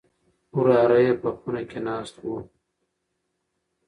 وراره يې په خونه کې ناست و.